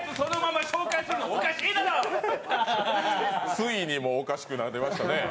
ついにおかしくなりましたね。